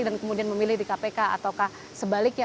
dan kemudian memilih di kpk atau sebaliknya